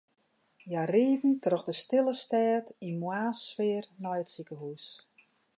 Hja rieden troch de stille stêd yn moarnssfear nei it sikehús.